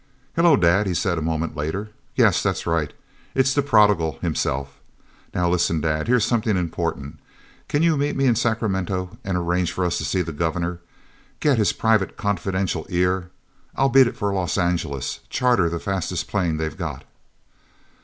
"Hello, Dad," he said a moment later. "Yes, that's right. It's the prodigal himself. Now, listen, Dad, here's something important. Can you meet me in Sacramento and arrange for us to see the Governor—get his private, confidential ear? I'll beat it for Los Angeles—charter the fastest plane they've got...."